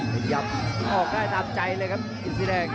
ขยับออกได้ตามใจเลยครับอินสีแดง